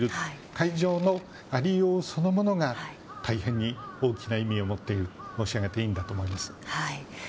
会場の在りようそのものが大変に大きな意味を持っていると申し上げていいんだと思います。